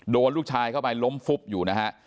โดนลูกชายเข้าไปล้มฟุบอยู่นะฮะ